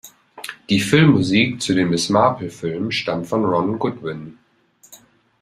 Die Filmmusik zu den Miss-Marple-Filmen stammt von Ron Goodwin.